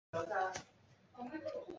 做的贡献最大。